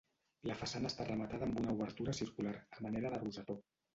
La façana està rematada amb una obertura circular, a manera de rosetó.